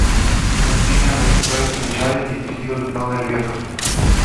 Contienen receptores similares y tejido no nervioso.